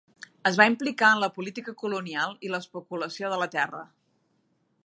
Es va implicar en la política colonial i l'especulació de la terra.